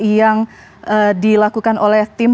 yang dilakukan oleh tim